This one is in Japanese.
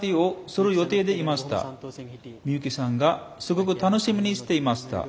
ミユキさんがすごく楽しみにしていました。